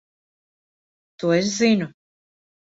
To es zinu.